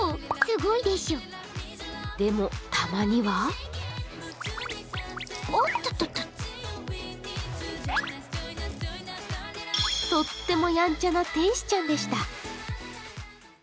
でもたまにはとってもやんちゃな天使ちゃんでした。